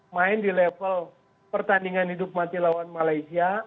main di level pertandingan hidup mati lawan malaysia